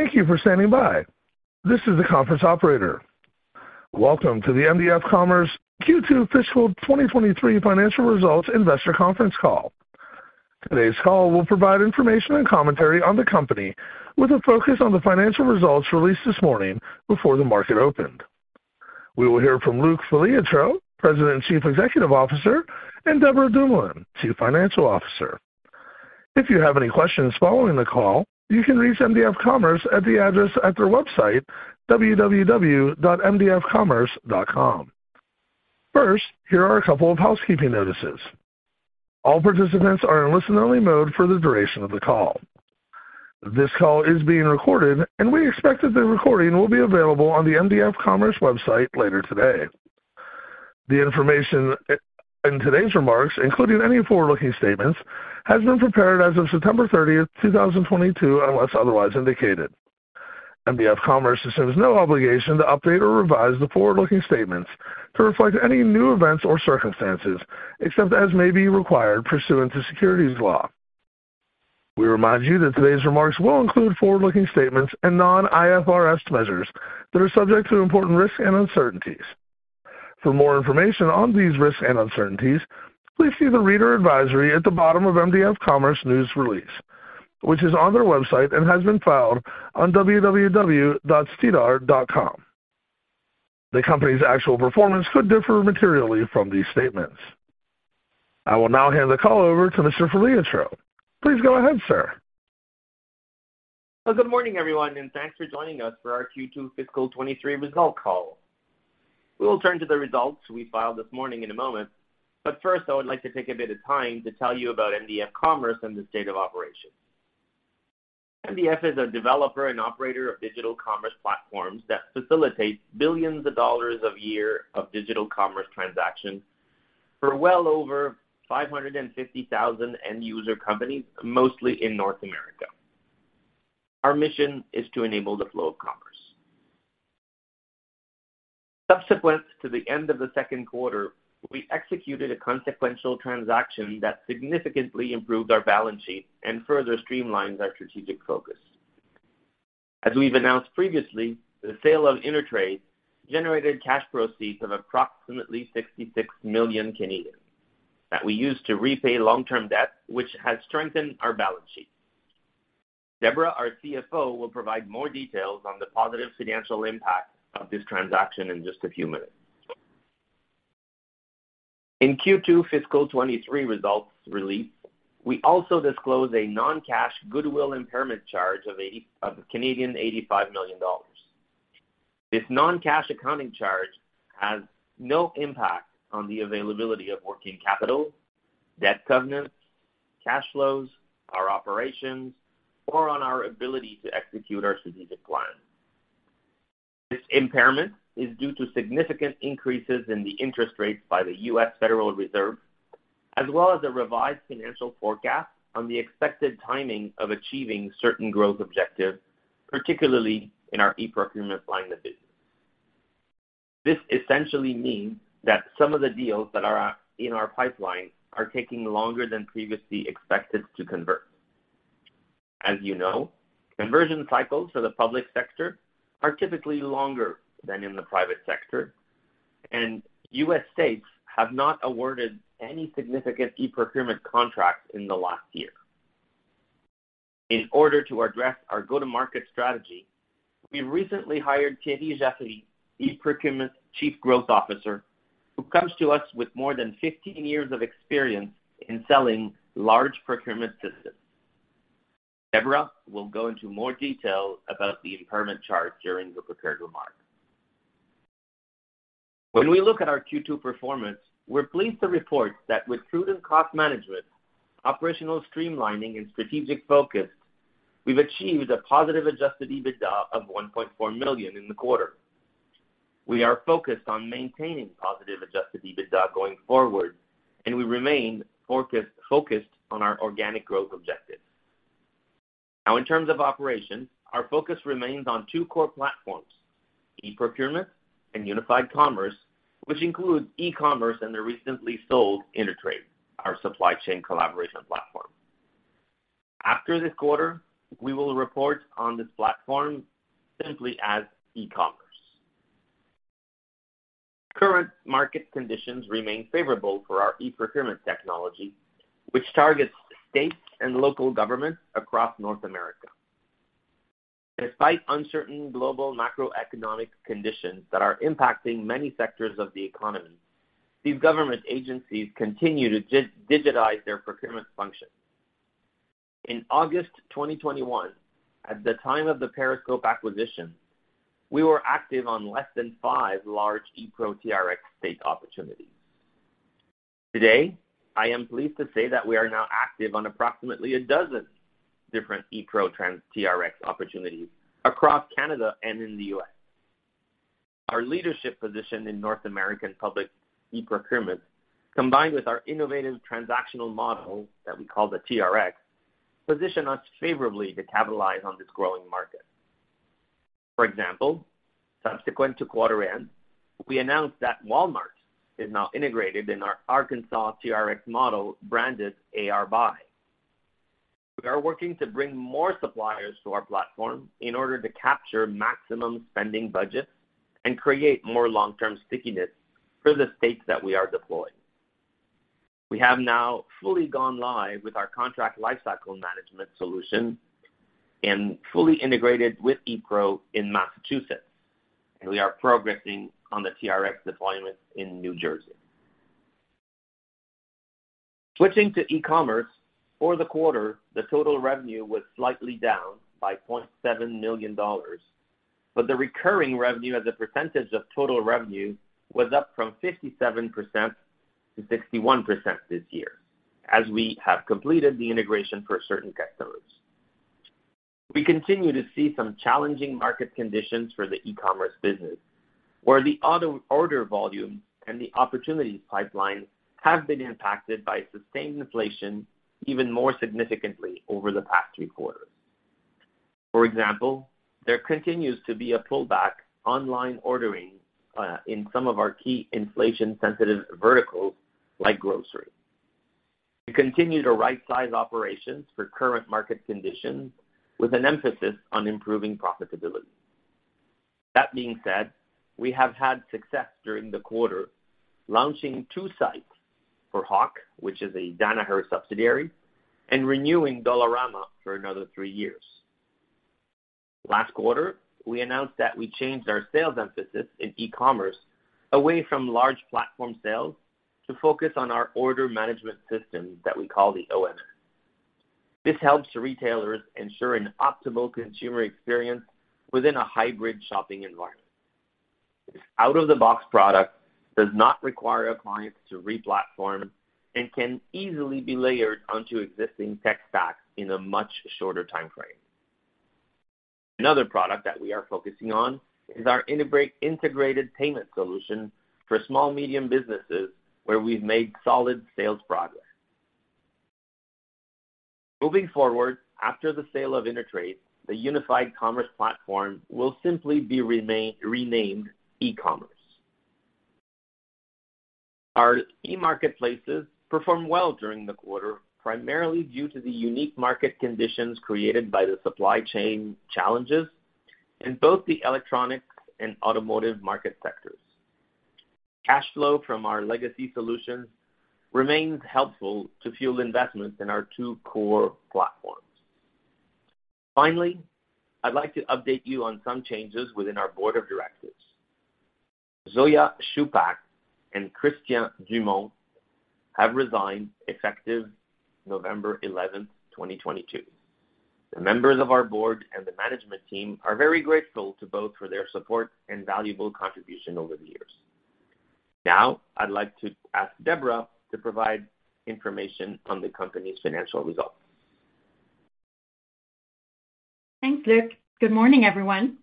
Thank you for standing by. This is the conference operator. Welcome to the mdf commerce Q2 fiscal 2023 financial results investor conference call. Today's call will provide information and commentary on the company with a focus on the financial results released this morning before the market opened. We will hear from Luc Filiatreault, President and Chief Executive Officer, and Deborah Dumoulin, Chief Financial Officer. If you have any questions following the call, you can reach mdf commerce at the address at their website, www.mdfcommerce.com. First, here are a couple of housekeeping notices. All participants are in listen-only mode for the duration of the call. This call is being recorded, and we expect that the recording will be available on the mdf commerce website later today. The information in today's remarks, including any forward-looking statements, has been prepared as of September 30th, 2022, unless otherwise indicated. MDF Commerce assumes no obligation to update or revise the forward-looking statements to reflect any new events or circumstances except as may be required pursuant to securities law. We remind you that today's remarks will include forward-looking statements and non-IFRS measures that are subject to important risks and uncertainties. For more information on these risks and uncertainties, please see the reader advisory at the bottom of MDF Commerce news release, which is on their website and has been filed on www.sedar.com. The company's actual performance could differ materially from these statements. I will now hand the call over to Mr. Filiatreault. Please go ahead, sir. Well, good morning, everyone, and thanks for joining us for our Q2 fiscal 2023 results call. We will turn to the results we filed this morning in a moment, but first, I would like to take a bit of time to tell you about mdf commerce and the state of operations. mdf commerce is a developer and operator of digital commerce platforms that facilitate billions of CAD a year of digital commerce transactions for well over 550,000 end user companies, mostly in North America. Our mission is to enable the flow of commerce. Subsequent to the end of the second quarter, we executed a consequential transaction that significantly improved our balance sheet and further streamlines our strategic focus. As we've announced previously, the sale of InterTrade generated cash proceeds of approximately 66 million that we used to repay long-term debt, which has strengthened our balance sheet. Deborah, our CFO, will provide more details on the positive financial impact of this transaction in just a few minutes. In Q2 fiscal 2023 results release, we also disclose a non-cash goodwill impairment charge of 85 million Canadian dollars. This non-cash accounting charge has no impact on the availability of working capital, debt covenants, cash flows, our operations, or on our ability to execute our strategic plan. This impairment is due to significant increases in the interest rates by the U.S. Federal Reserve, as well as a revised financial forecast on the expected timing of achieving certain growth objectives, particularly in our eProcurement line of business. This essentially means that some of the deals that are in our pipeline are taking longer than previously expected to convert. As you know, conversion cycles for the public sector are typically longer than in the private sector, and U.S. states have not awarded any significant eProcurement contracts in the last year. In order to address our go-to-market strategy, we recently hired Thierry Jaffré, eProcurement Chief Growth Officer, who comes to us with more than 15 years of experience in selling large procurement systems. Deborah will go into more detail about the impairment charge during the prepared remarks. When we look at our Q2 performance, we're pleased to report that with prudent cost management, operational streamlining, and strategic focus, we've achieved a positive adjusted EBITDA of 1.4 million in the quarter. We are focused on maintaining positive adjusted EBITDA going forward, and we remain focused on our organic growth objectives. Now in terms of operations, our focus remains on two core platforms, eProcurement and Unified Commerce, which includes e-commerce and the recently sold InterTrade, our supply chain collaboration platform. After this quarter, we will report on this platform simply as e-commerce. Current market conditions remain favorable for our eProcurement technology, which targets states and local governments across North America. Despite uncertain global macroeconomic conditions that are impacting many sectors of the economy, these government agencies continue to digitize their procurement functions. In August 2021, at the time of the Periscope acquisition, we were active on less than five large eProc TRX state opportunities. Today, I am pleased to say that we are now active on approximately 12 different eProc TRX opportunities across Canada and in the U.S. Our leadership position in North American public eProcurement, combined with our innovative transactional model that we call the TRX, position us favorably to capitalize on this growing market. For example, subsequent to quarter end, we announced that Walmart is now integrated in our Arkansas TRX model, branded ARBuy. We are working to bring more suppliers to our platform in order to capture maximum spending budgets and create more long-term stickiness for the states that we are deploying. We have now fully gone live with our Contract Lifecycle Management solution and fully integrated with EPRO in Massachusetts, and we are progressing on the TRX deployment in New Jersey. Switching to e-commerce, for the quarter, the total revenue was slightly down by 0.7 million dollars, but the recurring revenue as a percentage of total revenue was up from 57% to 61% this year, as we have completed the integration for certain customers. We continue to see some challenging market conditions for the e-commerce business, where the auto order volume and the opportunities pipeline have been impacted by sustained inflation even more significantly over the past three quarters. For example, there continues to be a pullback in online ordering in some of our key inflation-sensitive verticals like grocery. We continue to right-size operations for current market conditions with an emphasis on improving profitability. That being said, we have had success during the quarter, launching two sites for Hach, which is a Danaher subsidiary, and renewing Dollarama for another three years. Last quarter, we announced that we changed our sales emphasis in e-commerce away from large platform sales to focus on our order management system that we call the OMS. This helps retailers ensure an optimal consumer experience within a hybrid shopping environment. Out-of-the-box product does not require our clients to re-platform and can easily be layered onto existing tech stacks in a much shorter timeframe. Another product that we are focusing on is our integrated payment solution for small-medium businesses where we've made solid sales progress. Moving forward, after the sale of InterTrade, the Unified Commerce platform will simply be renamed e-commerce. Our e-marketplaces performed well during the quarter, primarily due to the unique market conditions created by the supply chain challenges in both the electronics and automotive market sectors. Cash flow from our legacy solutions remains helpful to fuel investments in our two core platforms. Finally, I'd like to update you on some changes within our board of directors. Zoya Shupak and Christian Dumont have resigned effective November 11th, 2022. The members of our board and the management team are very grateful to both for their support and valuable contribution over the years. Now, I'd like to ask Deborah to provide information on the company's financial results. Thanks, Luc. Good morning, everyone.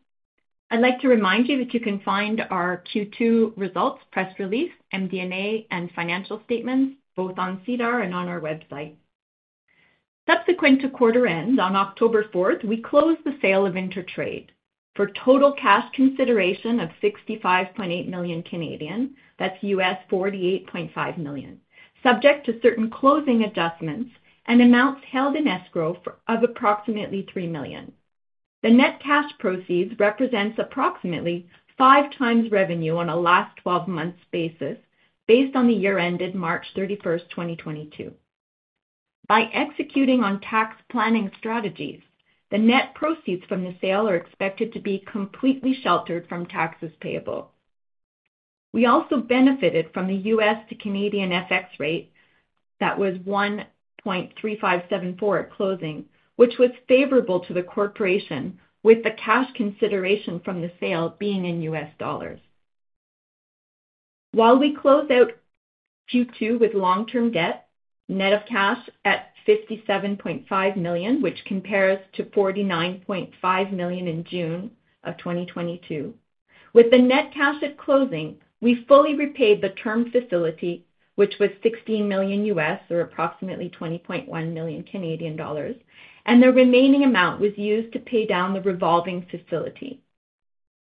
I'd like to remind you that you can find our Q2 results, press release, MD&A, and financial statements both on SEDAR and on our website. Subsequent to quarter end, on October 4th, we closed the sale of InterTrade for total cash consideration of 65.8 million, that's $48.5 million, subject to certain closing adjustments and amounts held in escrow of approximately 3 million. The net cash proceeds represents approximately 5x revenue on a last twelve months basis based on the year-ended March 31, 2022. By executing on tax planning strategies, the net proceeds from the sale are expected to be completely sheltered from taxes payable. We also benefited from the US to Canadian FX rate that was 1.3574 at closing, which was favorable to the corporation, with the cash consideration from the sale being in US dollars. While we close out Q2 with long-term debt, net of cash at 57.5 million, which compares to 49.5 million in June 2022. With the net cash at closing, we fully repaid the term facility, which was $16 million US, or approximately 20.1 million Canadian dollars, and the remaining amount was used to pay down the revolving facility.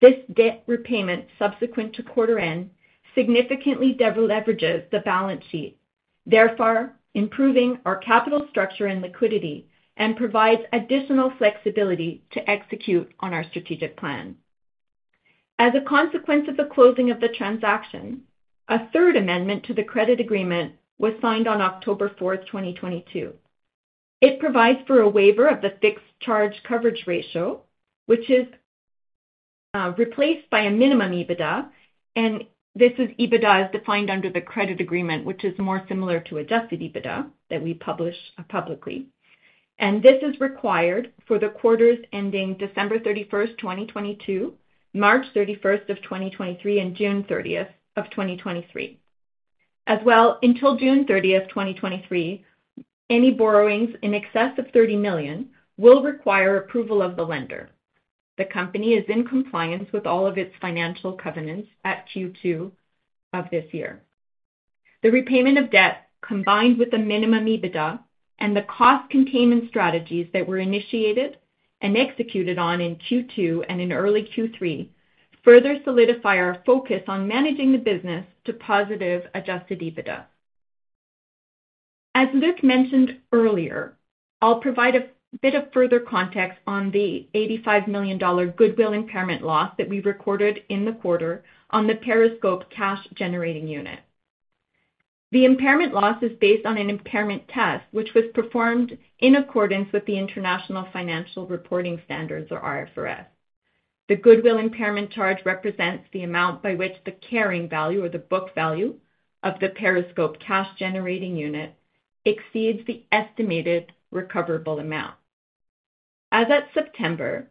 This debt repayment subsequent to quarter end significantly de-leverages the balance sheet, therefore improving our capital structure and liquidity and provides additional flexibility to execute on our strategic plan. As a consequence of the closing of the transaction, a third amendment to the credit agreement was signed on October 4, 2022. It provides for a waiver of the fixed charge coverage ratio, which is replaced by a minimum EBITDA, and this is EBITDA as defined under the credit agreement, which is more similar to adjusted EBITDA that we publish publicly. This is required for the quarters ending December 31, 2022, March 31, 2023, and June 30, 2023. As well, until June 30, 2023, any borrowings in excess of 30 million will require approval of the lender. The company is in compliance with all of its financial covenants at Q2 of this year. The repayment of debt, combined with the minimum EBITDA and the cost containment strategies that were initiated and executed on in Q2 and in early Q3, further solidify our focus on managing the business to positive adjusted EBITDA. As Luc mentioned earlier, I'll provide a bit of further context on the 85 million dollar goodwill impairment loss that we recorded in the quarter on the Periscope cash generating unit. The impairment loss is based on an impairment test which was performed in accordance with the International Financial Reporting Standards, or IFRS. The goodwill impairment charge represents the amount by which the carrying value or the book value of the Periscope cash generating unit exceeds the estimated recoverable amount. As of September,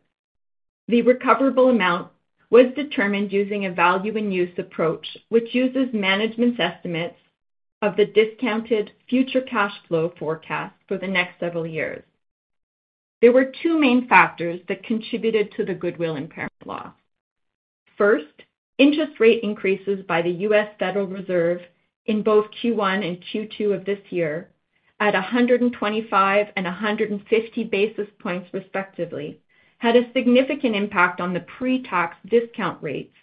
the recoverable amount was determined using a value in use approach, which uses management's estimates of the discounted future cash flow forecast for the next several years. There were two main factors that contributed to the goodwill impairment loss. First, interest rate increases by the U.S. Federal Reserve in both Q1 and Q2 of this year at 125 and 150 basis points respectively, had a significant impact on the pre-tax discount rates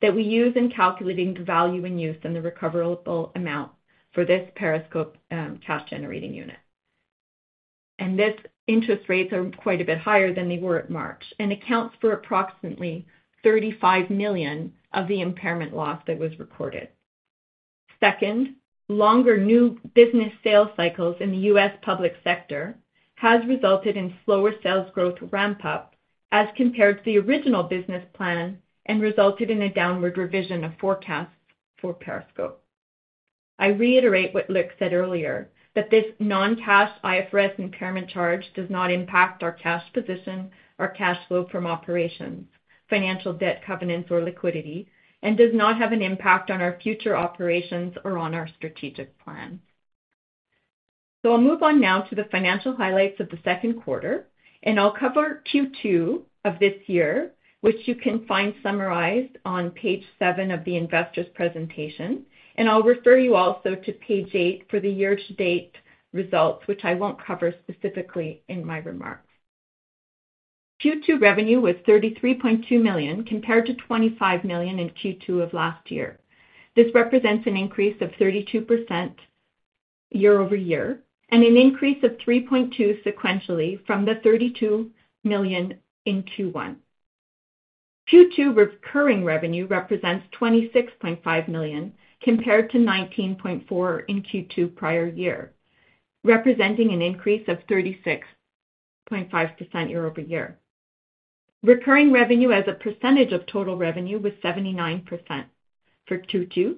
that we use in calculating the value in use and the recoverable amount for this Periscope cash-generating unit. This interest rates are quite a bit higher than they were at March and accounts for approximately 35 million of the impairment loss that was recorded. Second, longer new business sales cycles in the U.S. public sector has resulted in slower sales growth ramp-up as compared to the original business plan and resulted in a downward revision of forecasts for Periscope. I reiterate what Luc said earlier, that this non-cash IFRS impairment charge does not impact our cash position or cash flow from operations, financial debt covenants or liquidity, and does not have an impact on our future operations or on our strategic plan. I'll move on now to the financial highlights of the second quarter, and I'll cover Q2 of this year, which you can find summarized on page 7 of the investors presentation. I'll refer you also to page 8 for the year-to-date results, which I won't cover specifically in my remarks. Q2 revenue was 33.2 million, compared to 25 million in Q2 of last year. This represents an increase of 32% year-over-year, and an increase of 3.2 sequentially from the 32 million in Q1. Q2 recurring revenue represents 26.5 million, compared to 19.4 million in Q2 prior year, representing an increase of 36.5% year-over-year. Recurring revenue as a percentage of total revenue was 79% for Q2,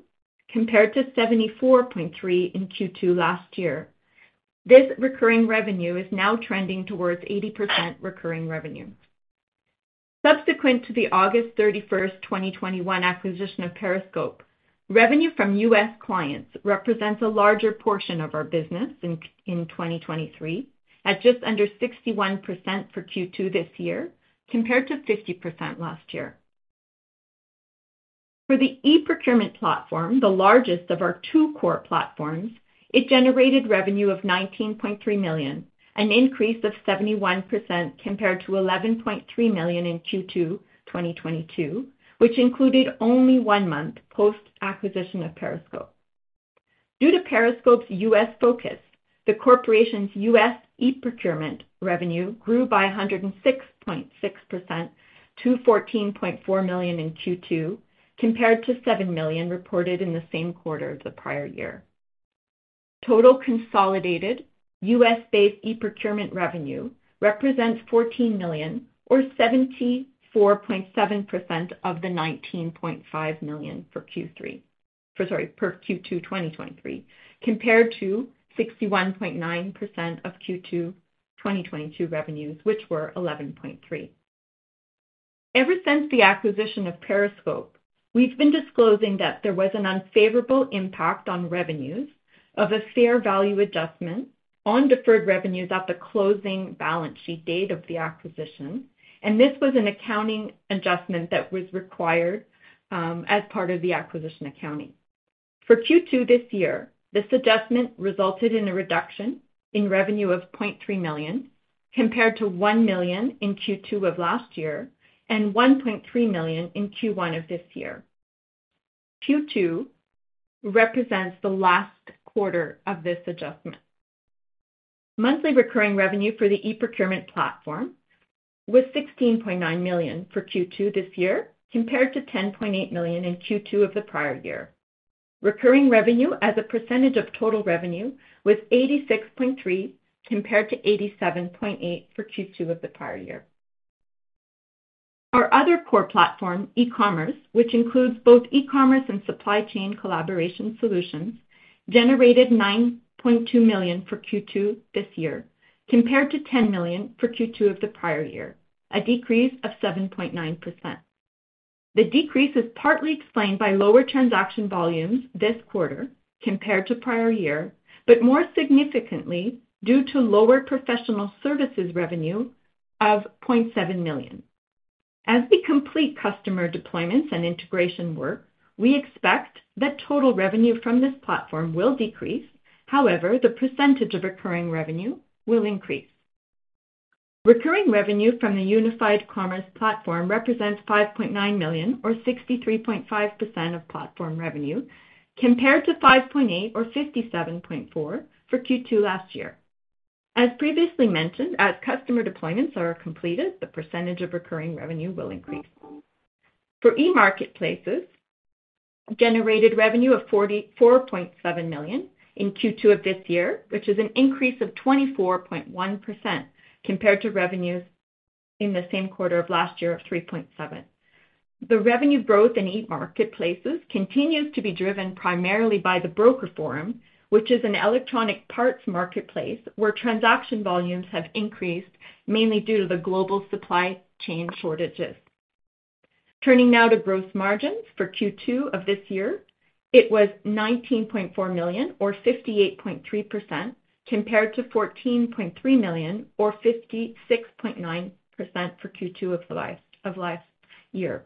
compared to 74.3% in Q2 last year. This recurring revenue is now trending towards 80% recurring revenue. Subsequent to the August 31st, 2021, acquisition of Periscope, revenue from U.S. clients represents a larger portion of our business in 2023 at just under 61% for Q2 this year, compared to 50% last year. For the eProcurement platform, the largest of our two core platforms, it generated revenue of CAD 19.3 million, an increase of 71% compared to CAD 11.3 million in Q2 2022, which included only one month post-acquisition of Periscope. Due to Periscope's U.S. focus, the corporation's U.S. eProcurement revenue grew by 106.6% to 14.4 million in Q2, compared to 7 million reported in the same quarter of the prior year. Total consolidated U.S.-based eProcurement revenue represents 14 million or 74.7% of the 19.5 million for Q2 2023, compared to 61.9% of Q2 2022 revenues, which were 11.3. Ever since the acquisition of Periscope, we've been disclosing that there was an unfavorable impact on revenues of a fair value adjustment on deferred revenues at the closing balance sheet date of the acquisition, and this was an accounting adjustment that was required as part of the acquisition accounting. For Q2 this year, this adjustment resulted in a reduction in revenue of 0.3 million, compared to 1 million in Q2 of last year and 1.3 million in Q1 of this year. Q2 represents the last quarter of this adjustment. Monthly recurring revenue for the eProcurement platform was 16.9 million for Q2 this year, compared to 10.8 million in Q2 of the prior year. Recurring revenue as a percentage of total revenue was 86.3% compared to 87.8% for Q2 of the prior year. Our other core platform, e-commerce, which includes both e-commerce and supply chain collaboration solutions, generated 9.2 million for Q2 this year, compared to 10 million for Q2 of the prior year, a decrease of 7.9%. The decrease is partly explained by lower transaction volumes this quarter compared to prior year, but more significantly due to lower professional services revenue of 0.7 million. As we complete customer deployments and integration work, we expect that total revenue from this platform will decrease. However, the percentage of recurring revenue will increase. Recurring revenue from the Unified Commerce platform represents 5.9 million or 63.5% of platform revenue, compared to 5.8 million or 57.4% for Q2 last year. As previously mentioned, as customer deployments are completed, the percentage of recurring revenue will increase. E-marketplaces generated revenue of 44.7 million in Q2 of this year, which is an increase of 24.1% compared to revenues in the same quarter of last year of 3.7 million. The revenue growth in e-marketplaces continues to be driven primarily by the BrokerForum, which is an electronic parts marketplace where transaction volumes have increased mainly due to the global supply chain shortages. Turning now to gross margins for Q2 of this year. It was 19.4 million or 58.3% compared to 14.3 million or 56.9% for Q2 of last year.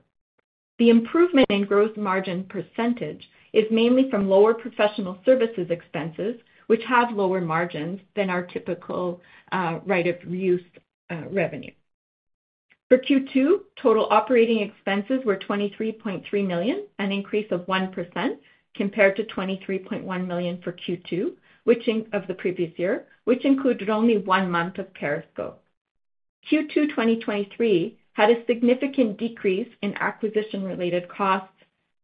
The improvement in gross margin percentage is mainly from lower professional services expenses, which have lower margins than our typical right-of-use revenue. For Q2, total operating expenses were 23.3 million, an increase of 1% compared to 23.1 million for Q2 of the previous year, which included only one month of Periscope. Q2 2023 had a significant decrease in acquisition-related costs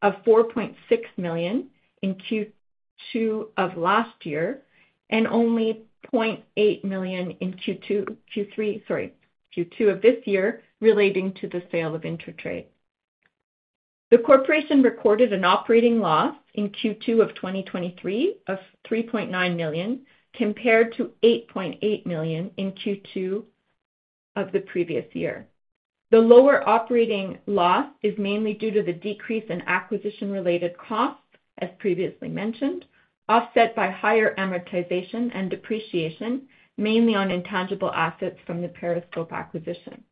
of 4.6 million in Q2 of last year and only 0.8 million in Q2 of this year, relating to the sale of InterTrade. The corporation recorded an operating loss in Q2 of 2023 of 3.9 million, compared to 8.8 million in Q2 of the previous year. The lower operating loss is mainly due to the decrease in acquisition-related costs, as previously mentioned, offset by higher amortization and depreciation, mainly on intangible assets from the Periscope acquisition.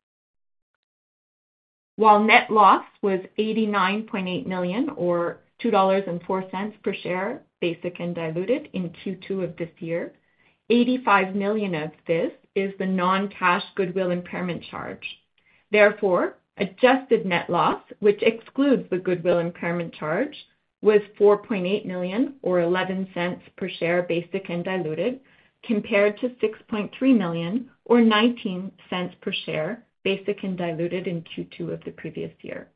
While net loss was 89.8 million or 2.04 dollars per share, basic and diluted in Q2 of this year, 85 million of this is the non-cash goodwill impairment charge. Therefore, adjusted net loss, which excludes the goodwill impairment charge, was 4.8 million or 0.11 per share basic and diluted, compared to 6.3 million or 0.19 per share basic and diluted in Q2 of the previous year.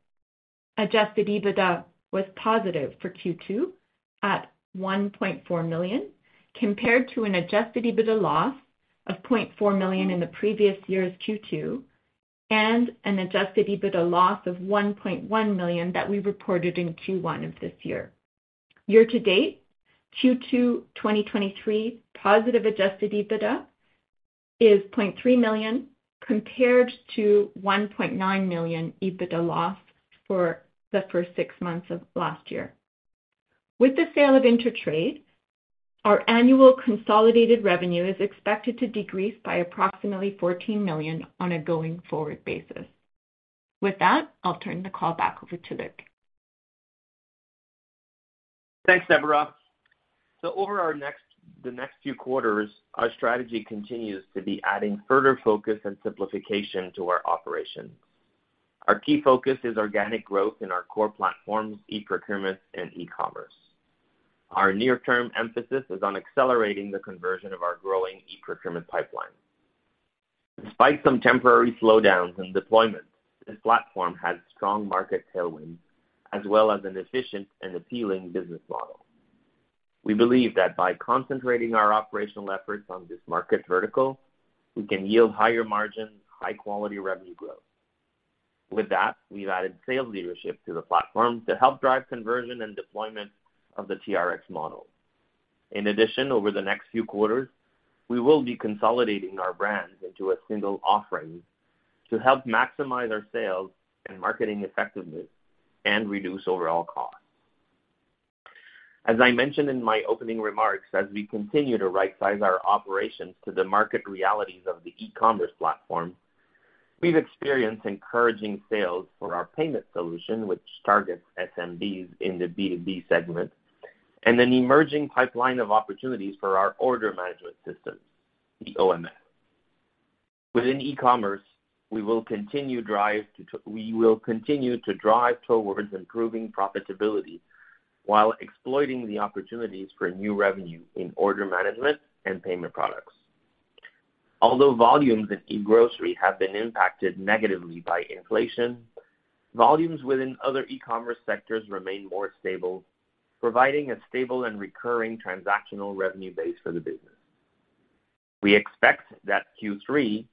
Adjusted EBITDA was positive for Q2 at 1.4 million, compared to an adjusted EBITDA loss of 0.4 million in the previous year's Q2, and an adjusted EBITDA loss of 1.1 million that we reported in Q1 of this year. Year to date, Q2 2023 positive adjusted EBITDA is 0.3 million, compared to 1.9 million EBITDA loss for the first six months of last year. With the sale of InterTrade, our annual consolidated revenue is expected to decrease by approximately 14 million on a going-forward basis. With that, I'll turn the call back over to Rick. Thanks, Deborah. Over the next few quarters, our strategy continues to be adding further focus and simplification to our operations. Our key focus is organic growth in our core platforms, eProcurement and eCommerce. Our near-term emphasis is on accelerating the conversion of our growing eProcurement pipeline. Despite some temporary slowdowns in deployment, this platform has strong market tailwinds as well as an efficient and appealing business model. We believe that by concentrating our operational efforts on this market vertical, we can yield higher margins, high-quality revenue growth. With that, we've added sales leadership to the platform to help drive conversion and deployment of the TRX model. In addition, over the next few quarters, we will be consolidating our brands into a single offering to help maximize our sales and marketing effectiveness and reduce overall costs. As I mentioned in my opening remarks, as we continue to right-size our operations to the market realities of the eCommerce platform, we've experienced encouraging sales for our payment solution, which targets SMBs in the B2B segment, and an emerging pipeline of opportunities for our order management systems, the OMS. Within eCommerce, we will continue to drive towards improving profitability while exploiting the opportunities for new revenue in order management and payment products. Although volumes in eGrocery have been impacted negatively by inflation, volumes within other eCommerce sectors remain more stable, providing a stable and recurring transactional revenue base for the business. We expect that Q3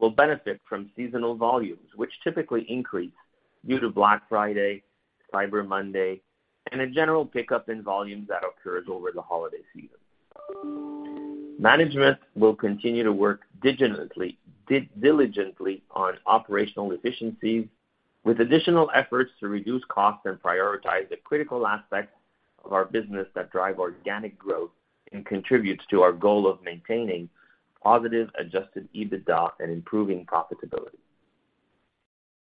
will benefit from seasonal volumes, which typically increase due to Black Friday, Cyber Monday, and a general pickup in volumes that occurs over the holiday season. Management will continue to work diligently on operational efficiencies with additional efforts to reduce costs and prioritize the critical aspects of our business that drive organic growth and contributes to our goal of maintaining positive adjusted EBITDA and improving profitability.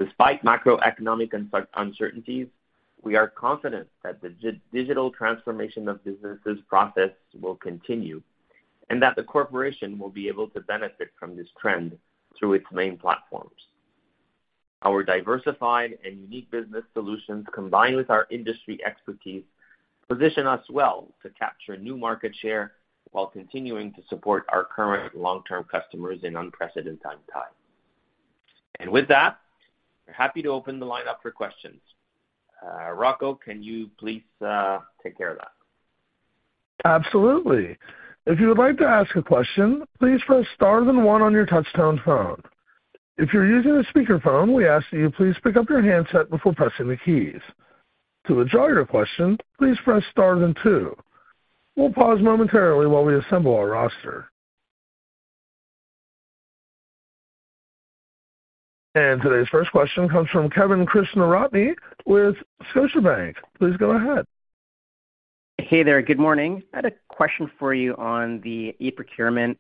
Despite macroeconomic uncertainties, we are confident that the digital transformation of business processes will continue, and that the corporation will be able to benefit from this trend through its main platforms. Our diversified and unique business solutions, combined with our industry expertise, position us well to capture new market share while continuing to support our current long-term customers in unprecedented times. With that, we're happy to open the line up for questions. Rocco, can you please take care of that? Absolutely. If you would like to ask a question, please press Star then one on your touchtone phone. If you're using a speakerphone, we ask that you please pick up your handset before pressing the keys. To withdraw your question, please press Star then two. We'll pause momentarily while we assemble our roster. Today's first question comes from Kevin Krishnaratne with Scotiabank. Please go ahead. Hey there. Good morning. I had a question for you on the eProcurement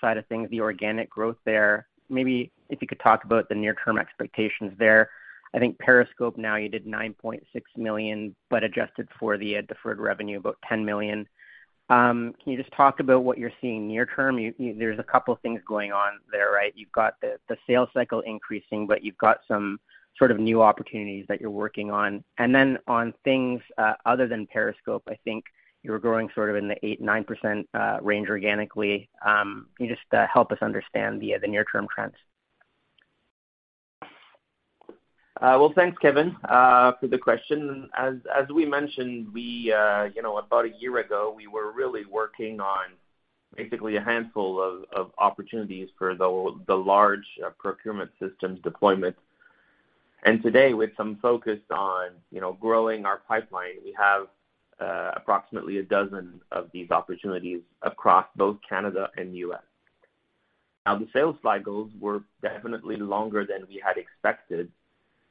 side of things, the organic growth there. Maybe if you could talk about the near-term expectations there. I think Periscope now you did 9.6 million, but adjusted for the deferred revenue, about 10 million. Can you just talk about what you're seeing near term? There's a couple of things going on there, right? You've got the sales cycle increasing, but you've got some sort of new opportunities that you're working on. Then on things other than Periscope, I think you were growing sort of in the 8%-9% range organically. Can you just help us understand the near-term trends? Well, thanks, Kevin, for the question. As we mentioned, we, you know, about a year ago, we were really working on basically a handful of opportunities for the large procurement systems deployments. Today, with some focus on, you know, growing our pipeline, we have approximately a dozen of these opportunities across both Canada and U.S. Now, the sales cycles were definitely longer than we had expected,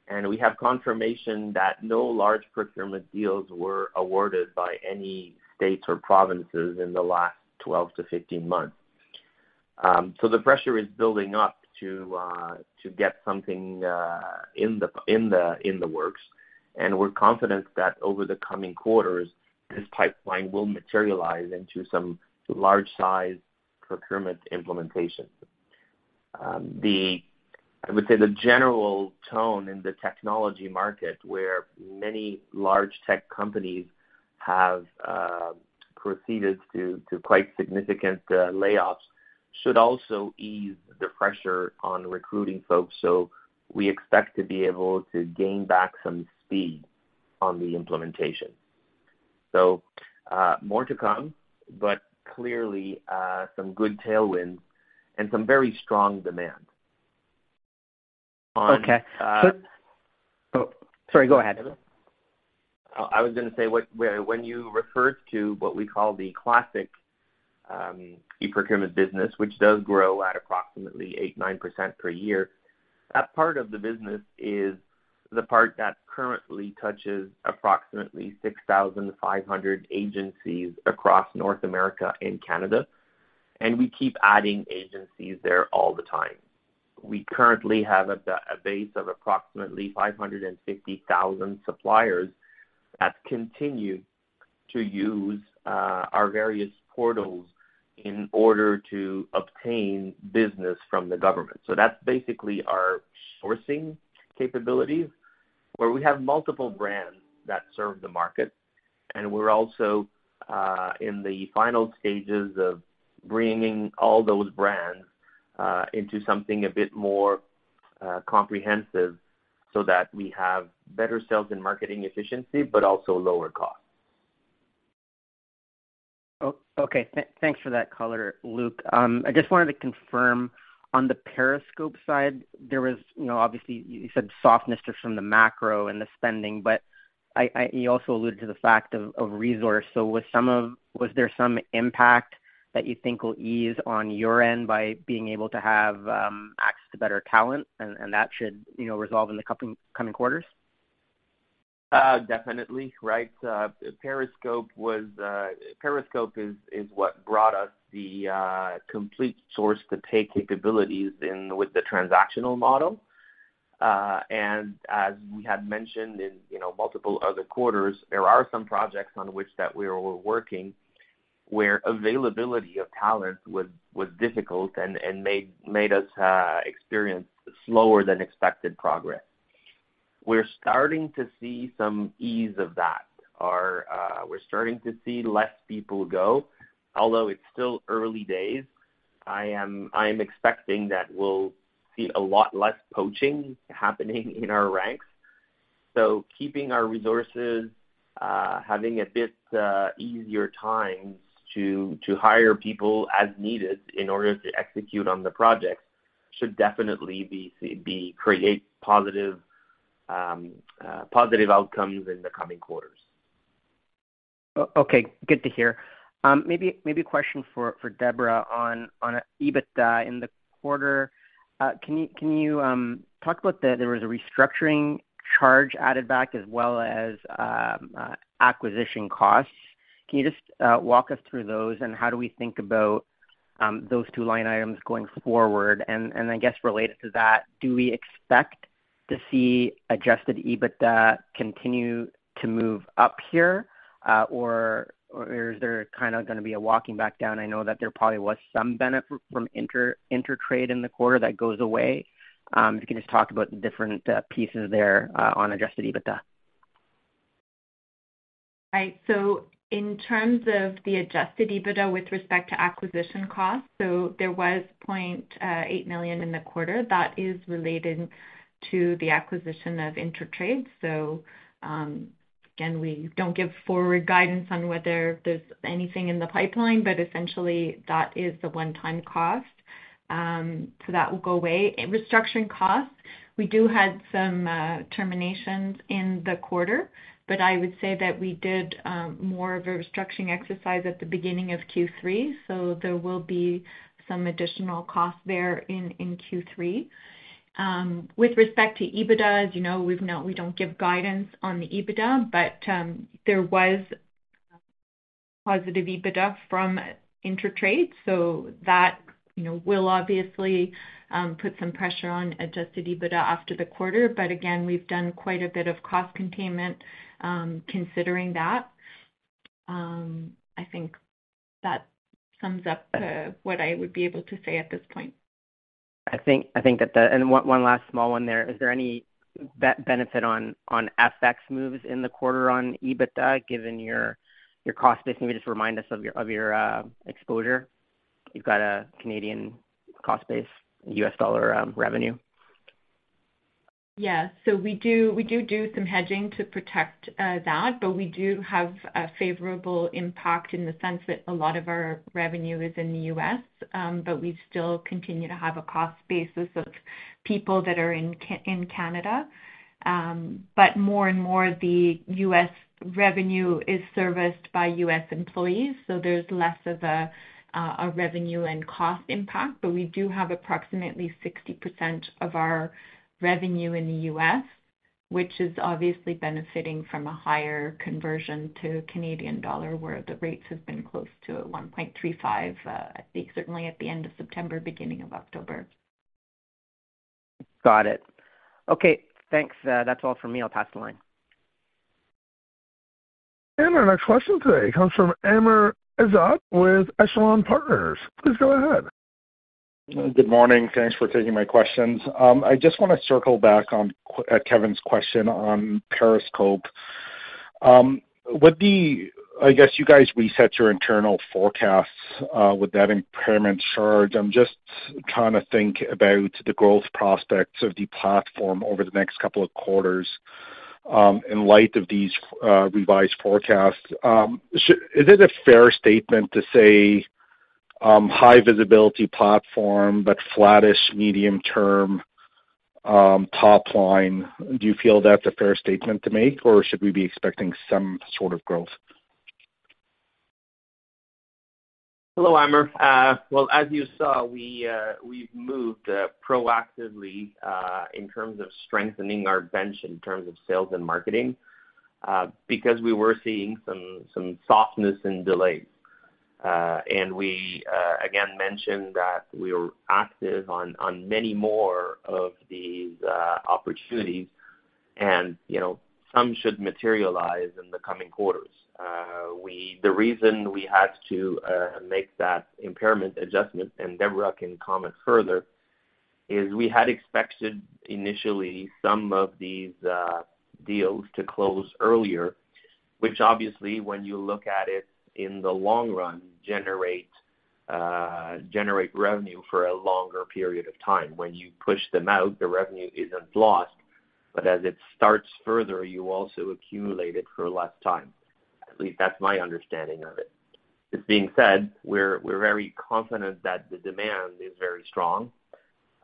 and we have confirmation that no large procurement deals were awarded by any states or provinces in the last 12-15 months. The pressure is building up to get something in the works. We're confident that over the coming quarters, this pipeline will materialize into some large size procurement implementation. I would say the general tone in the technology market, where many large tech companies have proceeded to quite significant layoffs, should also ease the pressure on recruiting folks. We expect to be able to gain back some speed on the implementation. More to come, but clearly, some good tailwinds and some very strong demand. Okay. Uh. Sorry, go ahead. I was gonna say, when you refer to what we call the classic eProcurement business, which does grow at approximately 8%-9% per year, that part of the business is the part that currently touches approximately 6,500 agencies across North America and Canada, and we keep adding agencies there all the time. We currently have a base of approximately 550,000 suppliers that continue to use our various portals in order to obtain business from the government. That's basically our sourcing capabilities, where we have multiple brands that serve the market, and we're also in the final stages of bringing all those brands into something a bit more comprehensive so that we have better sales and marketing efficiency, but also lower costs. Okay. Thanks for that color, Luc. I just wanted to confirm on the Periscope side, there was, you know, obviously you said softness just from the macro and the spending, but you also alluded to the fact of resource. Was there some impact that you think will ease on your end by being able to have access to better talent and that should, you know, resolve in the coming quarters? Definitely. Right. Periscope is what brought us the complete source-to-pay capabilities in with the transactional model. As we had mentioned, you know, in multiple other quarters, there are some projects on which that we were working where availability of talent was difficult and made us experience slower than expected progress. We're starting to see some ease of that, or we're starting to see less people go. Although it's still early days, I'm expecting that we'll see a lot less poaching happening in our ranks. Keeping our resources, having a bit easier times to hire people as needed in order to execute on the projects should definitely be create positive outcomes in the coming quarters. Okay, good to hear. Maybe a question for Deborah on EBITDA in the quarter. Can you talk about the. There was a restructuring charge added back as well as acquisition costs. Can you just walk us through those and how do we think about those two line items going forward. I guess related to that, do we expect to see adjusted EBITDA continue to move up here, or is there kinda gonna be a walking back down? I know that there probably was some benefit from InterTrade in the quarter that goes away. If you can just talk about the different pieces there on adjusted EBITDA. Right. In terms of the Adjusted EBITDA with respect to acquisition costs, there was point eight million in the quarter that is related to the acquisition of InterTrade. Again, we don't give forward guidance on whether there's anything in the pipeline, but essentially that is the one-time cost, so that will go away. Restructuring costs, we do have some terminations in the quarter, but I would say that we did more of a restructuring exercise at the beginning of Q3, so there will be some additional costs there in Q3. With respect to EBITDA, as you know, no, we don't give guidance on the EBITDA, but there's positive EBITDA from InterTrade, so that, you know, will obviously put some pressure on Adjusted EBITDA after the quarter. Again, we've done quite a bit of cost containment, considering that. I think that sums up what I would be able to say at this point. One last small one there. Is there any benefit on FX moves in the quarter on EBITDA, given your cost base? Can you just remind us of your exposure? You've got a Canadian cost base, US dollar revenue. Yeah. We do some hedging to protect that, but we do have a favorable impact in the sense that a lot of our revenue is in the U.S., but we still continue to have a cost basis of people that are in Canada. More and more the U.S. revenue is serviced by U.S. employees, so there's less of a revenue and cost impact. We do have approximately 60% of our revenue in the U.S., which is obviously benefiting from a higher conversion to Canadian dollar, where the rates have been close to 1.35, I think certainly at the end of September, beginning of October. Got it. Okay, thanks. That's all for me. I'll pass the line. Our next question today comes from Amr Ezzat with Echelon Wealth Partners. Please go ahead. Good morning. Thanks for taking my questions. I just wanna circle back at Kevin's question on Periscope. I guess you guys reset your internal forecasts with that impairment charge. I'm just trying to think about the growth prospects of the platform over the next couple of quarters in light of these revised forecasts. Is it a fair statement to say high visibility platform, but flattish medium term top line? Do you feel that's a fair statement to make, or should we be expecting some sort of growth? Hello, Amr. Well, as you saw, we've moved proactively in terms of strengthening our bench in terms of sales and marketing because we were seeing some softness and delays. We again mentioned that we were active on many more of these opportunities and, you know, some should materialize in the coming quarters. The reason we had to make that impairment adjustment, and Deborah can comment further, is we had expected initially some of these deals to close earlier, which obviously, when you look at it in the long run, generate revenue for a longer period of time. When you push them out, the revenue isn't lost, but as it starts further, you also accumulate it for less time. At least that's my understanding of it. This being said, we're very confident that the demand is very strong.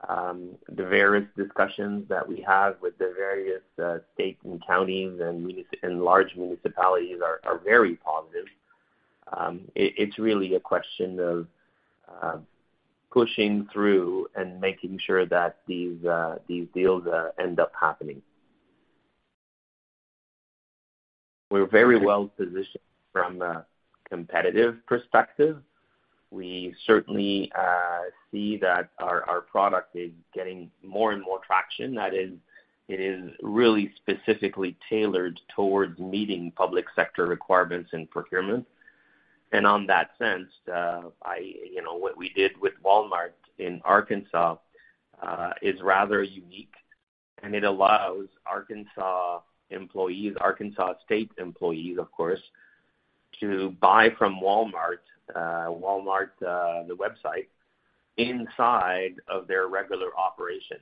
The various discussions that we have with the various states and counties and large municipalities are very positive. It's really a question of pushing through and making sure that these deals end up happening. We're very well positioned from a competitive perspective. We certainly see that our product is getting more and more traction. That is, it is really specifically tailored towards meeting public sector requirements and procurement. On that sense, you know, what we did with Walmart in Arkansas is rather unique, and it allows Arkansas employees, Arkansas state employees, of course, to buy from Walmart the website, inside of their regular operation.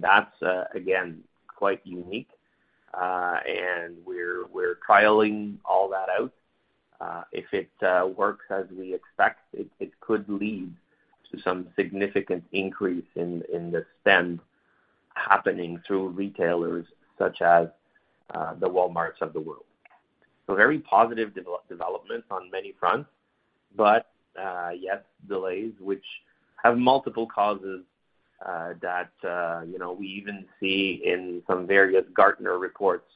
That's again, quite unique. And we're trialing all that out. If it works as we expect, it could lead to some significant increase in the spend happening through retailers such as the Walmarts of the world. Very positive development on many fronts, but yes, delays which have multiple causes. You know, we even see in some various Gartner reports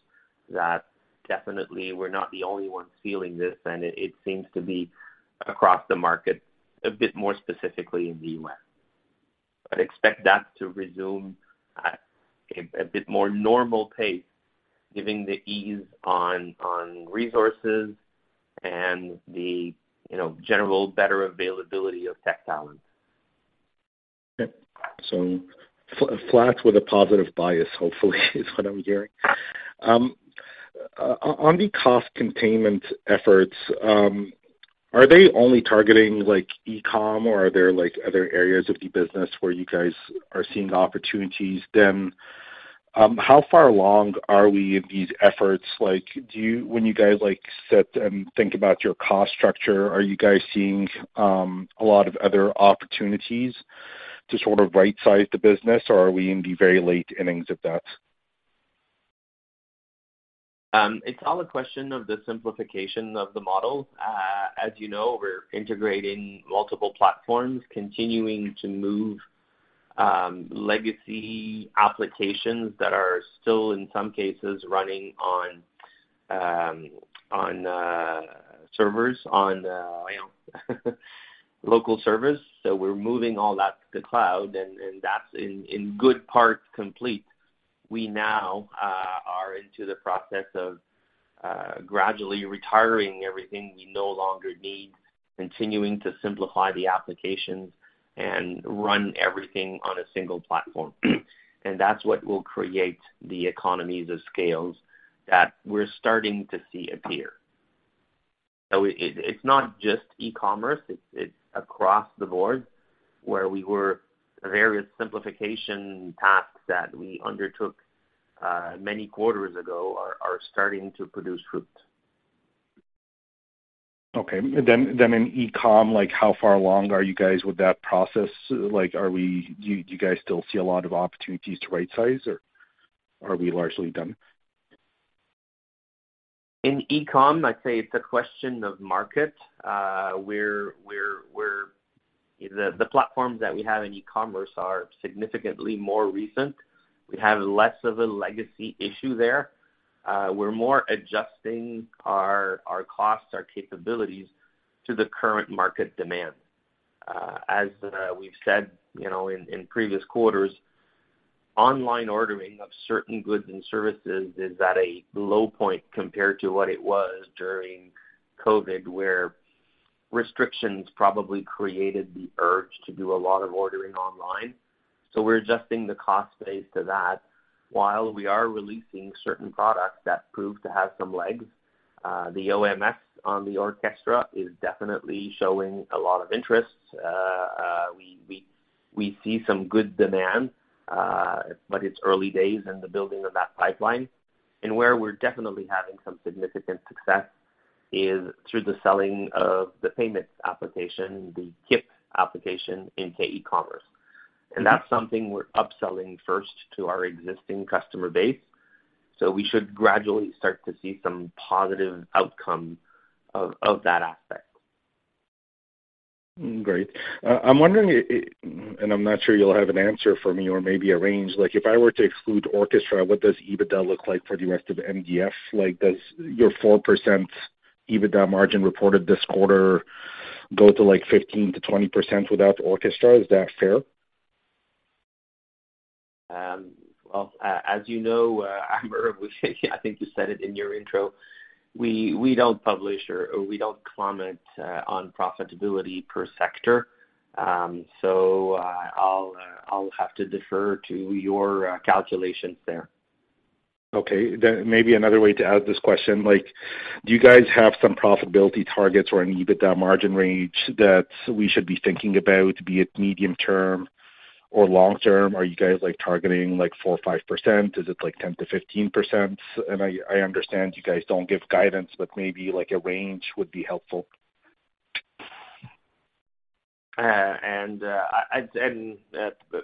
that definitely we're not the only ones feeling this, and it seems to be across the market a bit more specifically in the U.S. I'd expect that to resume at a bit more normal pace given the ease on resources and the you know general better availability of tech talent. Okay. Flat with a positive bias, hopefully, is what I'm hearing. On the cost containment efforts, are they only targeting like e-com, or are there like other areas of the business where you guys are seeing opportunities then? How far along are we in these efforts? Like, when you guys, like, sit and think about your cost structure, are you guys seeing a lot of other opportunities to sort of right-size the business, or are we in the very late innings of that? It's all a question of the simplification of the model. As you know, we're integrating multiple platforms, continuing to move legacy applications that are still in some cases running on local servers. We're moving all that to the cloud and that's in good part complete. We now are into the process of gradually retiring everything we no longer need, continuing to simplify the applications and run everything on a single platform. That's what will create the economies of scale that we're starting to see appear. It's not just e-commerce, it's across the board where we were various simplification tasks that we undertook many quarters ago are starting to produce fruit. Okay. In e-com, like, how far along are you guys with that process? Like, do you guys still see a lot of opportunities to right-size or are we largely done? In e-com, I'd say it's a question of market. The platforms that we have in e-commerce are significantly more recent. We have less of a legacy issue there. We're more adjusting our costs, our capabilities to the current market demand. As we've said, you know, in previous quarters, online ordering of certain goods and services is at a low point compared to what it was during COVID, where restrictions probably created the urge to do a lot of ordering online. We're adjusting the cost base to that while we are releasing certain products that prove to have some legs. The OMS on the Orckestra is definitely showing a lot of interest. We see some good demand, but it's early days in the building of that pipeline. Where we're definitely having some significant success is through the selling of the payments application, the KIP application into e-commerce. That's something we're upselling first to our existing customer base, so we should gradually start to see some positive outcome of that aspect. Great. I'm wondering. I'm not sure you'll have an answer for me or maybe a range. Like, if I were to exclude Orckestra, what does EBITDA look like for the rest of MDF? Like, does your 4% EBITDA margin reported this quarter go to, like, 15%-20% without Orckestra? Is that fair? Well, as you know, Amr, I think you said it in your intro, we don't publish or we don't comment on profitability per sector. I'll have to defer to your calculations there. Okay. Maybe another way to ask this question. Like, do you guys have some profitability targets or an EBITDA margin range that we should be thinking about, be it medium term or long term? Are you guys like targeting like 4% or 5%? Is it like 10%-15%? I understand you guys don't give guidance, but maybe like a range would be helpful.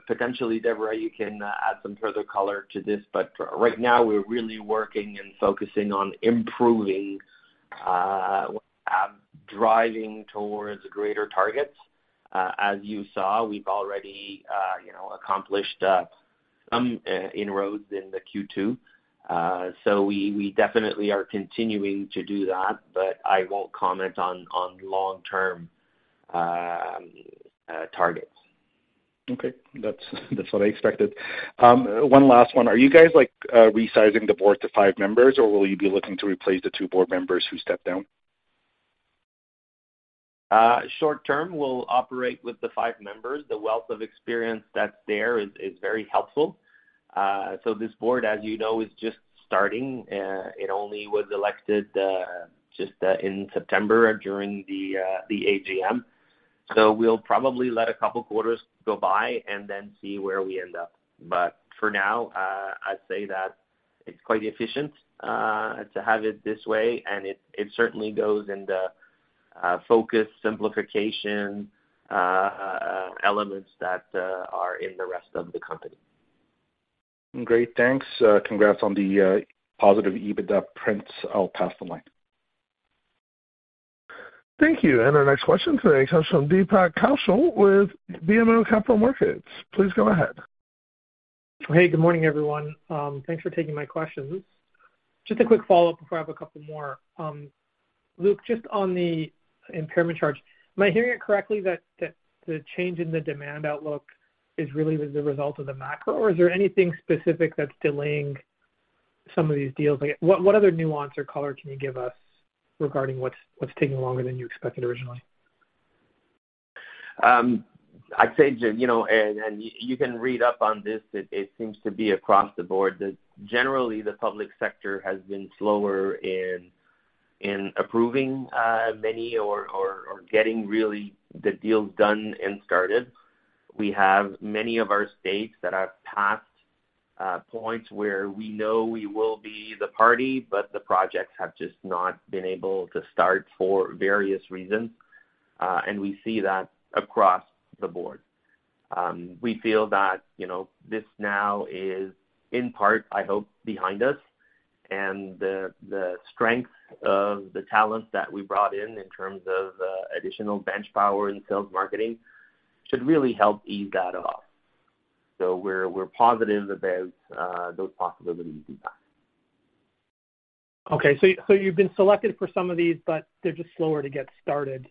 Potentially, Deborah, you can add some further color to this, but right now we're really working and focusing on improving, driving towards greater targets. As you saw, we've already, you know, accomplished some inroads in the Q2. We definitely are continuing to do that, but I won't comment on long-term targets. Okay. That's what I expected. One last one. Are you guys like resizing the board to five members, or will you be looking to replace the two board members who stepped down? Short term, we'll operate with the five members. The wealth of experience that's there is very helpful. This board, as you know, is just starting. It only was elected just in September during the AGM. We'll probably let a couple quarters go by and then see where we end up. For now, I'd say that it's quite efficient to have it this way, and it certainly goes in the focus simplification elements that are in the rest of the company. Great. Thanks. Congrats on the positive EBITDA prints. I'll pass the line. Thank you. Our next question today comes from Deepak Kaushal with BMO Capital Markets. Please go ahead. Hey, good morning, everyone. Thanks for taking my questions. Just a quick follow-up before I have a couple more. Luc, just on the impairment charge, am I hearing it correctly that the change in the demand outlook is really the result of the macro? Or is there anything specific that's delaying some of these deals? Like what other nuance or color can you give us regarding what's taking longer than you expected originally? I'd say, Jim, you know, and you can read up on this, it seems to be across the board that generally the public sector has been slower in approving many or getting really the deals done and started. We have many of our states that have passed points where we know we will be the party, but the projects have just not been able to start for various reasons. We see that across the board. We feel that, you know, this now is, in part, I hope, behind us. The strength of the talent that we brought in terms of additional bench power in sales marketing should really help ease that off. We're positive about those possibilities, Deepak. You've been selected for some of these, but they're just slower to get started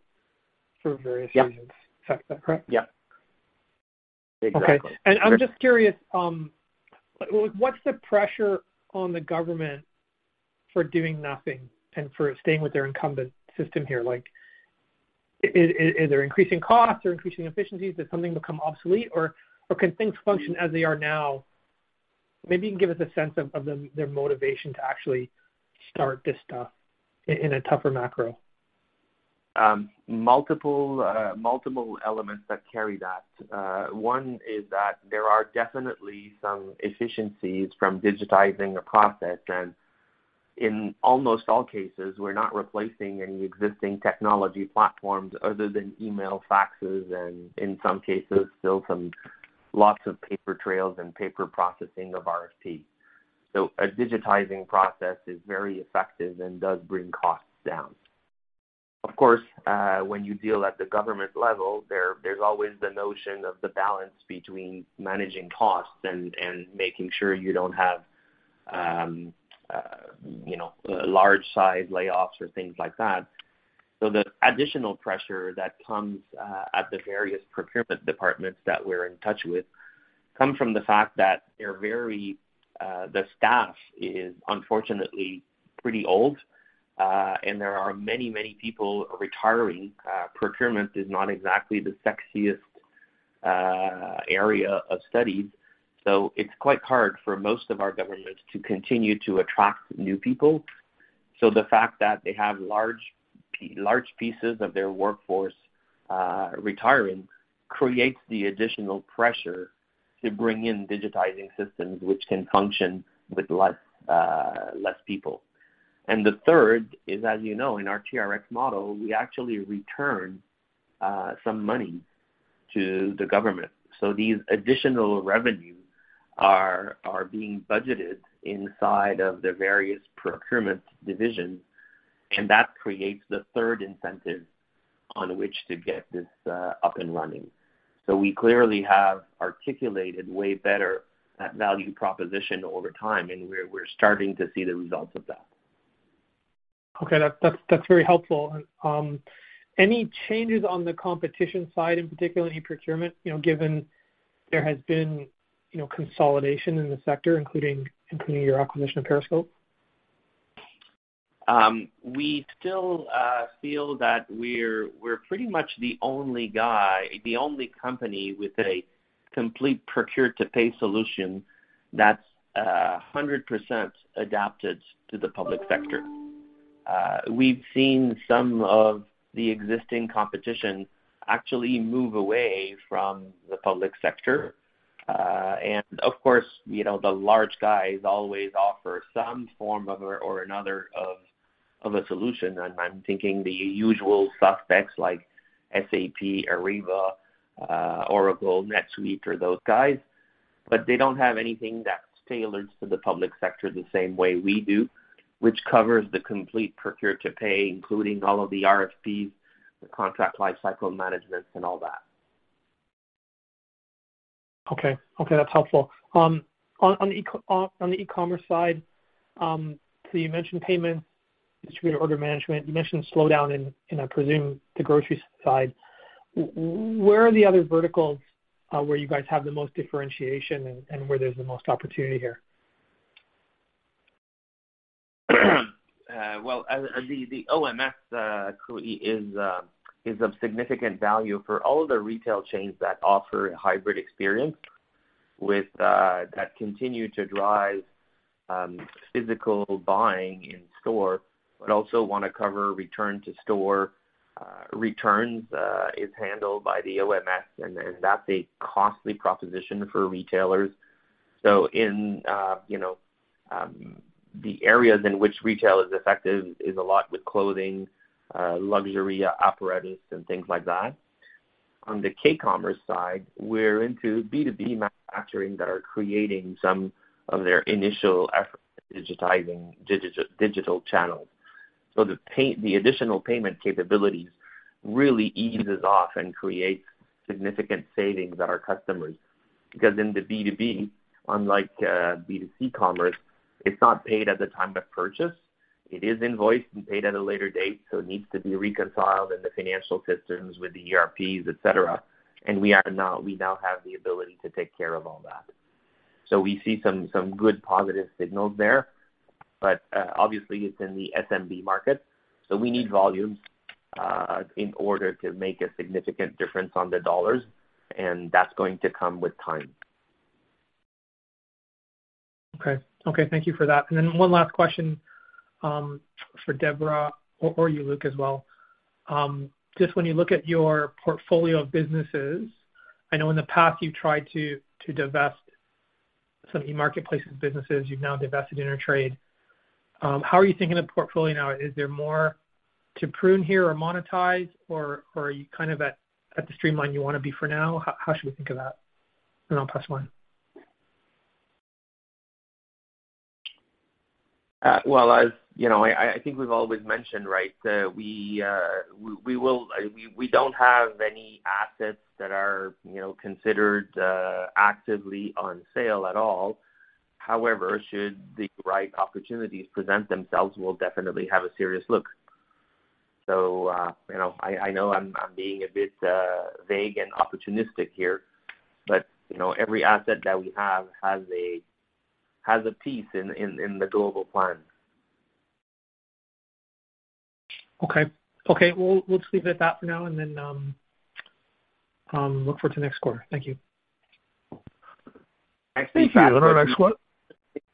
for various reasons. Yeah. Is that correct? Yeah. Exactly. Okay. I'm just curious, like what's the pressure on the government for doing nothing and for staying with their incumbent system here? Like, is there increasing costs or increasing efficiencies? Does something become obsolete or can things function as they are now? Maybe you can give us a sense of their motivation to actually start this stuff in a tougher macro. Multiple elements that carry that. One is that there are definitely some efficiencies from digitizing a process. In almost all cases, we're not replacing any existing technology platforms other than email, faxes, and in some cases still a lot of paper trails and paper processing of RFPs. A digitizing process is very effective and does bring costs down. Of course, when you deal at the government level, there's always the notion of the balance between managing costs and making sure you don't have, you know, large-scale layoffs or things like that. The additional pressure that comes at the various procurement departments that we're in touch with comes from the fact that the staff is unfortunately pretty old, and there are many people retiring. Procurement is not exactly the sexiest area of studies. It's quite hard for most of our governments to continue to attract new people. The fact that they have large pieces of their workforce retiring creates the additional pressure to bring in digitizing systems which can function with less people. The third is, as you know, in our TRX model, we actually return some money to the government. These additional revenues are being budgeted inside of the various procurement divisions, and that creates the third incentive on which to get this up and running. We clearly have articulated way better that value proposition over time, and we're starting to see the results of that. Okay. That's very helpful. Any changes on the competition side, in particular in eProcurement, you know, given there has been, you know, consolidation in the sector, including your acquisition of Periscope? We still feel that we're pretty much the only guy, the only company with a complete procure to pay solution that's 100% adapted to the public sector. We've seen some of the existing competition actually move away from the public sector. Of course, you know, the large guys always offer some form or another of a solution. I'm thinking the usual suspects like SAP Ariba, Oracle, NetSuite or those guys. They don't have anything that's tailored to the public sector the same way we do, which covers the complete procure to pay, including all of the RFPs, the Contract Lifecycle Management and all that. Okay. Okay, that's helpful. On the e-commerce side, you mentioned payments, distributor order management. You mentioned slowdown, and I presume the grocery side. Where are the other verticals where you guys have the most differentiation and where there's the most opportunity here? The OMS clearly is of significant value for all the retail chains that offer hybrid experience with that continue to drive physical buying in store, but also wanna cover return to store. Returns is handled by the OMS, and that's a costly proposition for retailers. The areas in which retail is effective is a lot with clothing, luxury apparel and things like that. On the k-ecommerce side, we're into B2B manufacturing that are creating some of their initial effort in digitizing digital channels. The additional payment capabilities really eases off and creates significant savings on our customers. Because in the B2B, unlike B2C commerce, it's not paid at the time of purchase. It is invoiced and paid at a later date, so it needs to be reconciled in the financial systems with the ERPs, et cetera. We now have the ability to take care of all that. We see some good positive signals there. Obviously it's in the SMB market, so we need volume in order to make a significant difference on the dollars, and that's going to come with time. Okay, thank you for that. One last question for Deborah or you, Luc, as well. Just when you look at your portfolio of businesses, I know in the past you've tried to divest some of your marketplaces businesses, you've now divested InterTrade. How are you thinking of portfolio now? Is there more to prune here or monetize, or are you kind of at the streamline you wanna be for now? How should we think of that in FY + 1? As you know, I think we've always mentioned, right, that we don't have any assets that are, you know, considered actively on sale at all. However, should the right opportunities present themselves, we'll definitely have a serious look. You know, I know I'm being a bit vague and opportunistic here, but you know, every asset that we have has a piece in the global plan. Okay, we'll just leave it at that for now and then look forward to next quarter. Thank you. Thank you.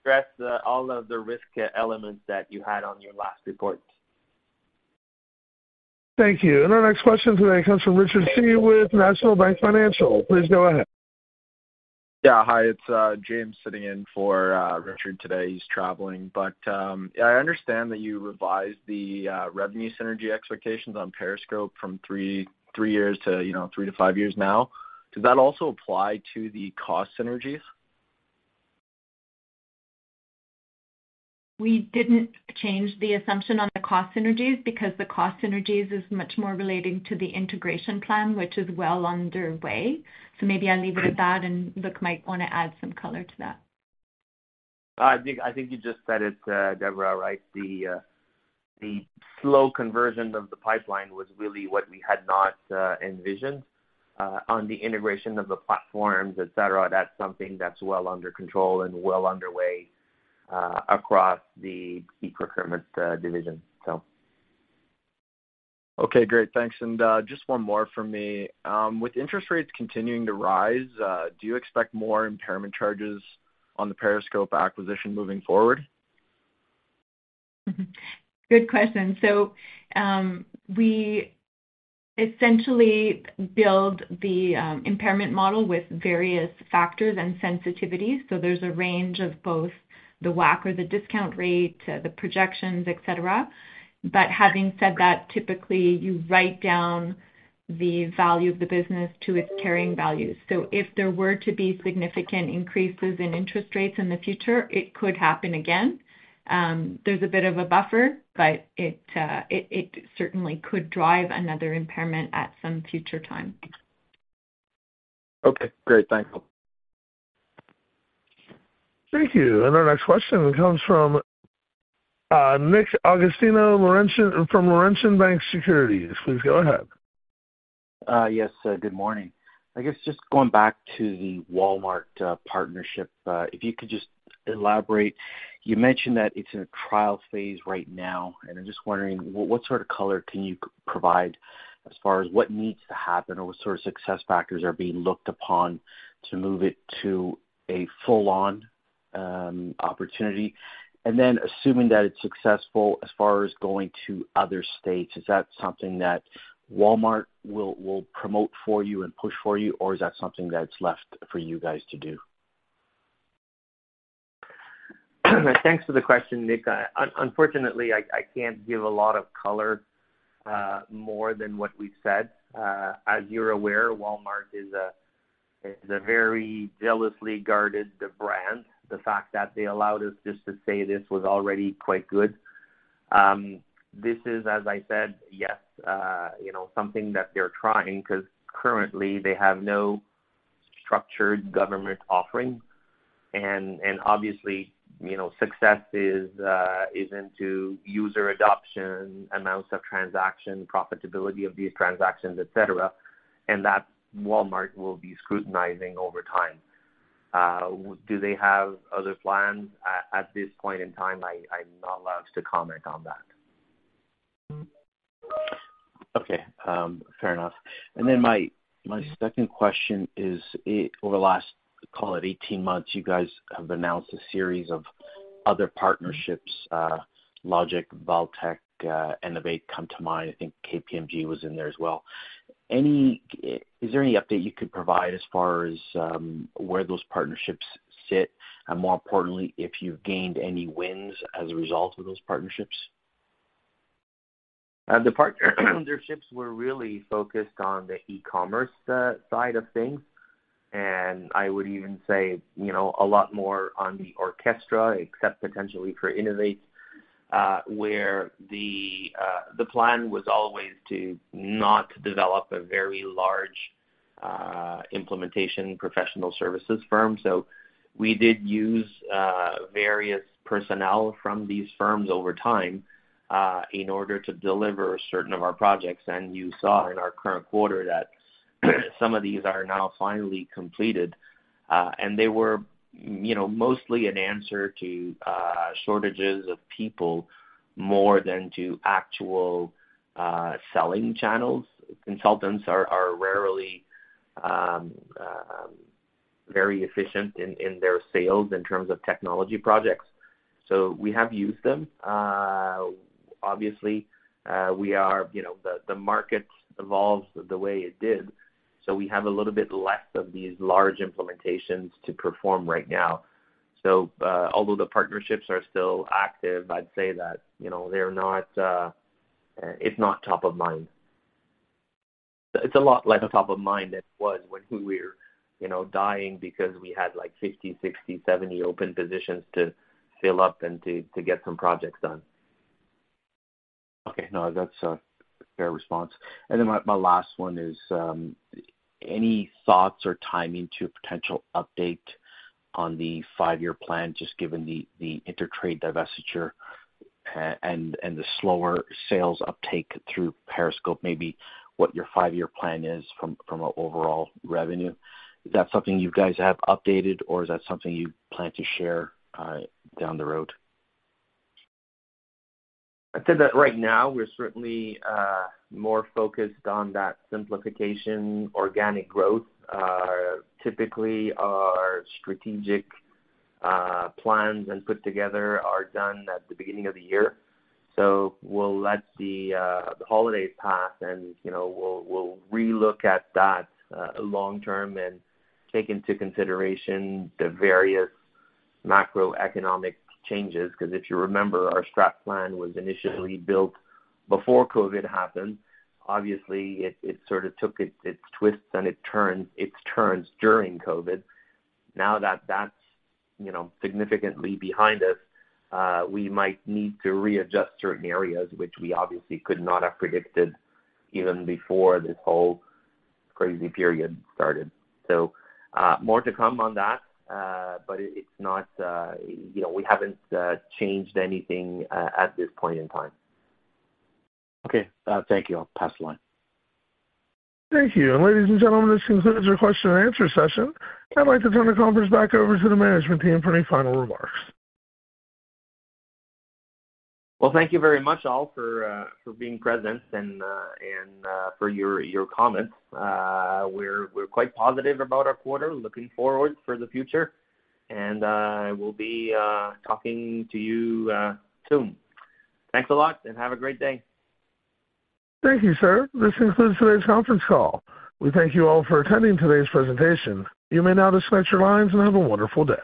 Address all of the risk elements that you had on your last report. Thank you. Our next question today comes from Richard Tse with National Bank Financial. Please go ahead. Yeah, hi. It's James sitting in for Richard today. He's traveling. I understand that you revised the revenue synergy expectations on Periscope from 3 years to, you know, 3 to 5 years now. Does that also apply to the cost synergies? We didn't change the assumption on the cost synergies because the cost synergies is much more relating to the integration plan, which is well underway. Maybe I'll leave it at that, and Luc might wanna add some color to that. I think you just said it, Deborah, right? The slow conversion of the pipeline was really what we had not envisioned on the integration of the platforms, et cetera. That's something that's well under control and well underway across the eProcurement division. Okay, great. Thanks. Just one more from me. With interest rates continuing to rise, do you expect more impairment charges on the Periscope acquisition moving forward? Good question. We essentially build the impairment model with various factors and sensitivities. There's a range of both the WACC or the discount rate, the projections, et cetera. Having said that, typically you write down the value of the business to its carrying value. If there were to be significant increases in interest rates in the future, it could happen again. There's a bit of a buffer, but it certainly could drive another impairment at some future time. Okay, great. Thanks. Thank you. Our next question comes from Nick Agostino, Laurentian, from Laurentian Bank Securities. Please go ahead. Yes, good morning. I guess just going back to the Walmart partnership, if you could just elaborate. You mentioned that it's in a trial phase right now, and I'm just wondering what sort of color can you provide as far as what needs to happen or what sort of success factors are being looked upon to move it to a full-on opportunity? Then assuming that it's successful as far as going to other states, is that something that Walmart will promote for you and push for you, or is that something that's left for you guys to do? Thanks for the question, Nick. Unfortunately, I can't give a lot of color more than what we've said. As you're aware, Walmart is a very jealously guarded brand. The fact that they allowed us just to say this was already quite good. This is, as I said, yes, you know, something that they're trying 'cause currently they have no structured government offering. Obviously, you know, success is into user adoption, amounts of transaction, profitability of these transactions, et cetera. That Walmart will be scrutinizing over time. Do they have other plans? At this point in time, I'm not allowed to comment on that. Okay, fair enough. My second question is, over the last, call it 18 months, you guys have announced a series of other partnerships, Logient, Valtech, Innovate come to mind. I think KPMG was in there as well. Is there any update you could provide as far as where those partnerships sit? And more importantly, if you've gained any wins as a result of those partnerships? The partnerships were really focused on the e-commerce side of things. I would even say, you know, a lot more on the Orckestra, except potentially for Innovate, where the plan was always to not develop a very large implementation professional services firm. We did use various personnel from these firms over time in order to deliver certain of our projects. You saw in our current quarter that some of these are now finally completed. They were, you know, mostly an answer to shortages of people more than to actual selling channels. Consultants are rarely very efficient in their sales in terms of technology projects. We have used them. Obviously, we are, you know. The market evolved the way it did, so we have a little bit less of these large implementations to perform right now. Although the partnerships are still active, I'd say that, you know, they're not, it's not top of mind. It's a lot less of top of mind than it was when we were, you know, dying because we had like 50, 60, 70 open positions to fill up and to get some projects done. Okay. No, that's a fair response. Then my last one is, any thoughts or timing to a potential update on the five-year plan, just given the InterTrade divestiture and the slower sales uptake through Periscope, maybe what your five-year plan is from an overall revenue? Is that something you guys have updated, or is that something you plan to share down the road? I'd say that right now we're certainly more focused on that simplification, organic growth. Typically our strategic plans when put together are done at the beginning of the year. We'll let the holidays pass and, you know, we'll relook at that long term and take into consideration the various macroeconomic changes. 'Cause if you remember, our strat plan was initially built before COVID happened. Obviously, it sort of took its twists and its turns during COVID. Now that that's, you know, significantly behind us, we might need to readjust certain areas which we obviously could not have predicted even before this whole crazy period started. More to come on that, but it's not, you know, we haven't changed anything at this point in time. Okay. Thank you. I'll pass the line. Thank you. Ladies and gentlemen, this concludes our question and answer session. I'd like to turn the conference back over to the management team for any final remarks. Well, thank you very much, all, for being present and for your comments. We're quite positive about our quarter, looking forward to the future. We'll be talking to you soon. Thanks a lot, and have a great day. Thank you, sir. This concludes today's conference call. We thank you all for attending today's presentation. You may now disconnect your lines, and have a wonderful day.